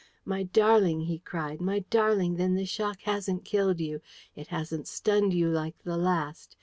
"My darling," he cried, "my darling, then this shock hasn't killed you! It hasn't stunned you like the last!